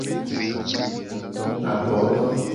Abodo.